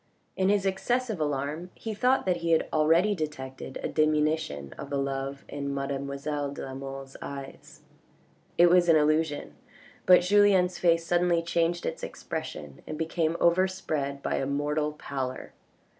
In his excessive alarm he thought that he already detected a diminution of the love in mademoiselle de la Mole's eyes. It was an illusion, but Julien's face suddenly changed its expression and became overspread by a mortal pallor.